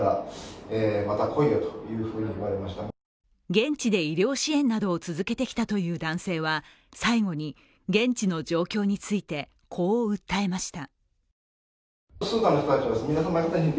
現地で医療支援などを続けてきたという男性は最後の現地の状況についてこう訴えました。